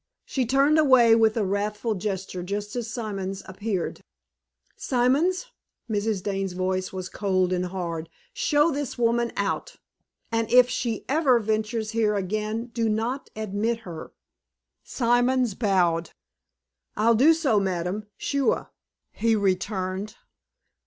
She turned away with a wrathful gesture just as Simons appeared. "Simons," Mrs. Dane's voice was cold and hard "show this woman out, and if she ever ventures here again do not admit her." Simons bowed. "I'll do so, ma'am, suah!" he returned.